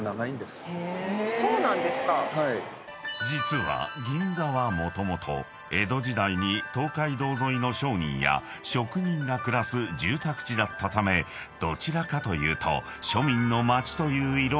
［実は銀座はもともと江戸時代に東海道沿いの商人や職人が暮らす住宅地だったためどちらかというと］